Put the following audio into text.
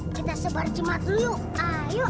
kita sebar jemaat dulu yuk